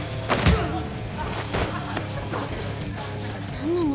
何なの？